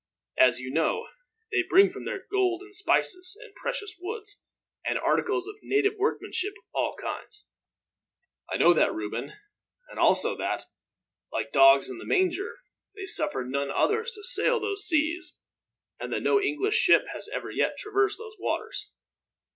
As you know, they bring from there gold and spices and precious woods, and articles of native workmanship of all kinds." "I know all that, Reuben; and also that, like dogs in the manger, they suffer none others to sail those seas; and that no English ship has ever yet traversed those waters."